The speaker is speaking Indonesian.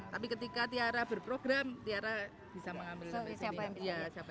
tapi ketika tiara berprogram tiara bisa mengambil